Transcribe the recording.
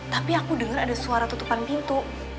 tapi aku dengar ada suara tutupan pintu